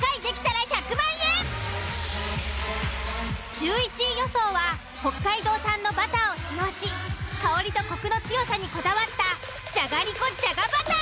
１１位予想は北海道産のバターを使用し香りとコクの強さにこだわったじゃがりこじゃがバター。